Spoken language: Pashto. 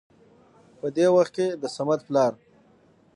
په دې وخت کې د صمد پلار